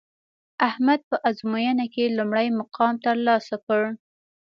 احمد په ازموینه کې لومړی مقام ترلاسه کړ